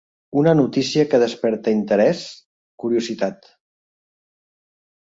Una notícia que desperta interès, curiositat.